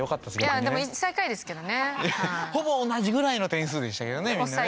本当ほぼ同じぐらいの点数でしたけどねみんな。